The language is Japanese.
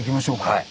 はい。